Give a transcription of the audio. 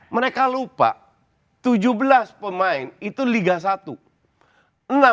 mereka lupa tujuh belas pemain itu liga satu